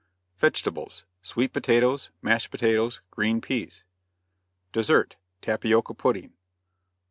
VEGETABLES. Sweet Potatoes, Mashed Potatoes, Green Peas. DESSERT. Tapioca Pudding.